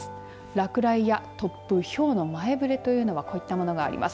落雷や突風、ひょうの前触れというのはこういったものがあります。